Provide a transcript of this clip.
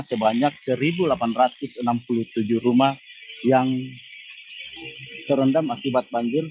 sebanyak satu delapan ratus enam puluh tujuh rumah yang terendam akibat banjir